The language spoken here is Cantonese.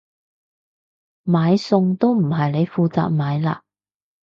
買餸都唔係你負責買啦？